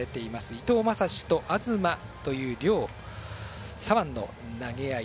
伊藤将司と東という両左腕の投げ合い。